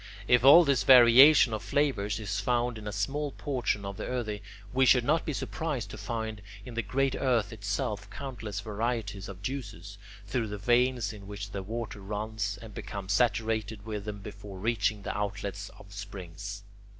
If all this variation of flavours is found in a small portion of the earthy, we should not be surprised to find in the great earth itself countless varieties of juices, through the veins of which the water runs, and becomes saturated with them before reaching the outlets of springs.